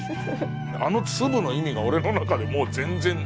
あの粒の意味が俺の中でもう全然。